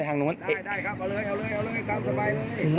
เอาลิ